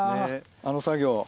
あの作業。